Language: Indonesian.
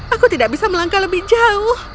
aku tidak bisa melangkah lebih jauh